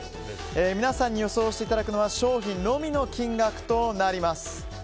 皆さんに予想していただくのは商品のみの金額となります。